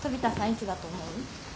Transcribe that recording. いつだと思う？